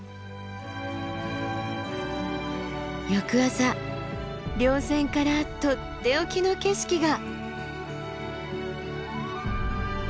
翌朝稜線からとっておきの景色が。